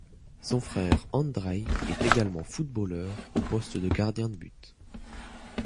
Son frère Andreï est également footballeur au poste de gardien de but.